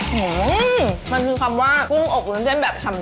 อืมมันคือคำว่ากุ้งอบวุ้นเส้นแบบชำ